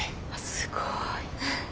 すごい。